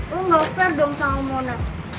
lo gak fair dong sama mona